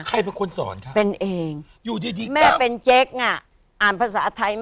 ใครเป็นคนสอนครับเป็นเองอยู่ดีแม่เป็นเจ๊กอ่ะอ่านภาษาไทย